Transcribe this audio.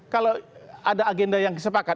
kalau ada agenda yang disepakat